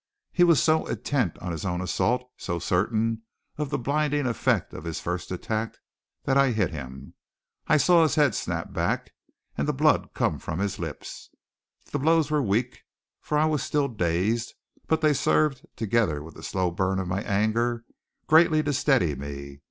He was so intent on his own assault, so certain of the blinding effect of his first attack, that I hit him. I saw his head snap back, and the blood come from his lips. The blows were weak, for I was still dazed; but they served, together with the slow burn of my anger, greatly to steady me.